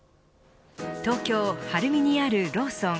東京、晴海にあるローソン。